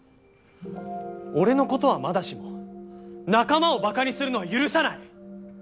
俺の事はまだしも仲間を馬鹿にするのは許さない！